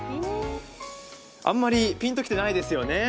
あんまりピンときてないですよね。